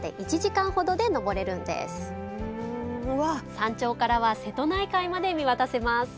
山頂からは瀬戸内海まで見渡せます！